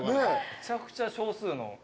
めちゃくちゃ少数の。